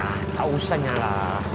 hah gak usah nyala